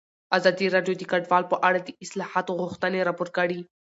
ازادي راډیو د کډوال په اړه د اصلاحاتو غوښتنې راپور کړې.